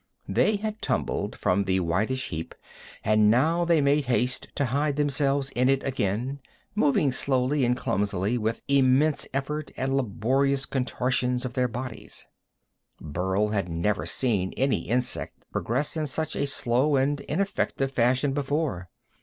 They had tumbled from the whitish heap and now they made haste to hide themselves in it again, moving slowly and clumsily, with immense effort and laborious contortions of their bodies. Burl had never seen any insect progress in such a slow and ineffective fashion before.